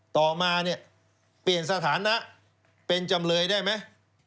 ต่อมาเนี่ยเปลี่ยนสถานะเป็นจำเลยได้ไหม